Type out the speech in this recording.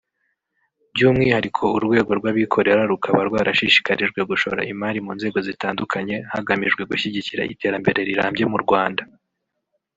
By’umwihariko urwego rw’abikorera rukaba rwashishikarijwe gushora imari mu nzego zitandukanye hagamijwe gushyigikira iterambere rirambye mu Rwanda